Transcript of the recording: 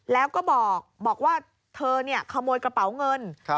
แล้วก็บอกว่าเธอขโมยกระเป๋าเงิน